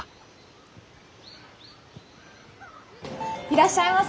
いらっしゃいませ！